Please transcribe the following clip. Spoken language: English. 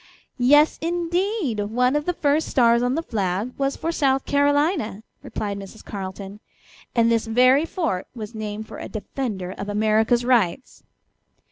"Yes, indeed! One of the first stars on the flag was for South Carolina," replied Mrs. Carleton, "and this very fort was named for a defender of America's rights."